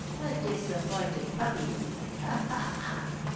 A disappointed puppy! Ha, ha, ha!